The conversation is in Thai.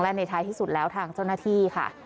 และในท้ายที่สุดแล้วทางเจ้าหน้าที่ค่ะ